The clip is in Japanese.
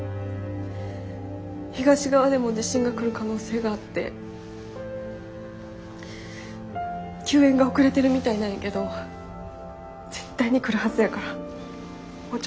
東側でも地震が来る可能性があって救援が遅れてるみたいなんやけど絶対に来るはずやからもうちょっとだけ頑張って。